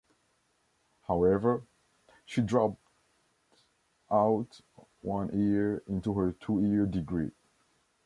However, she dropped out one year into her two-year degree.